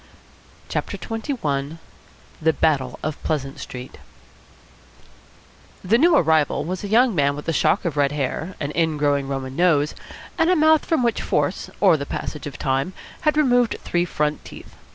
CHAPTER XXI THE BATTLE OF PLEASANT STREET The new arrival was a young man with a shock of red hair, an ingrowing Roman nose, and a mouth from which force or the passage of time had removed three front teeth.